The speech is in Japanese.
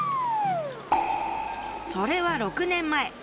それは６年前。